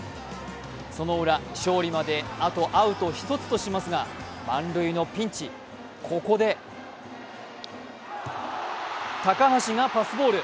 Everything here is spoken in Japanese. そのウラ、勝利まであとアウト１つとしますが、満塁のピンチ、ここで高橋がパスボール。